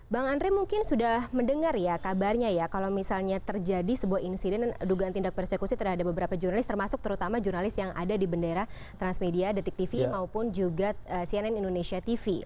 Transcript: bang andre mungkin sudah mendengar ya kabarnya ya kalau misalnya terjadi sebuah insiden dan dugaan tindak persekusi terhadap beberapa jurnalis termasuk terutama jurnalis yang ada di bendera transmedia detik tv maupun juga cnn indonesia tv